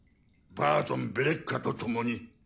バートンベレッカとともに。